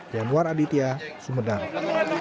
januar aditya sumedang